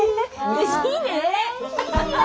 うれしいよ！